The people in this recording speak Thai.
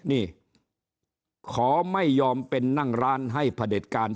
นี่ขอไม่ยอมเป็นนั่งร้านให้พระเด็จการ